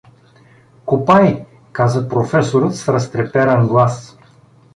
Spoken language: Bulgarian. — Копай — каза професорът с разтреперан глас.